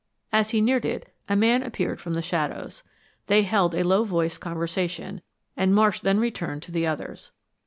As he neared it, a man appeared from the shadows. They held a low voiced conversation, and Marsh then returned to the others.